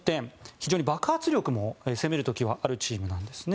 非常に爆発力も、攻める時はあるチームなんですね。